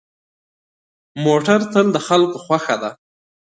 موټر تل د خلکو خوښه ده.